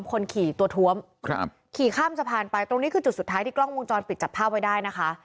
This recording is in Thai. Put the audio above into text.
คนขี่ตัวท้วมครับขี่ข้ามสะพานไปตรงนี้คือจุดสุดท้ายที่กล้องวงจรปิดจับภาพไว้ได้นะคะ